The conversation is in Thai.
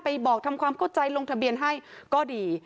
บอกทำความเข้าใจลงทะเบียนให้ก็ดี